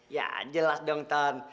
ya jelas dong tan